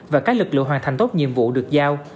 và các lực lượng hoàn thành tốt nhiệm vụ được giao